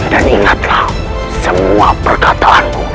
dan ingatlah semua perkataanmu